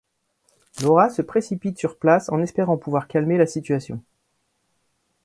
Laura se précipite sur place en espérant pouvoir calmer la situation.